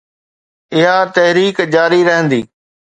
اها تحريڪ جاري رهندي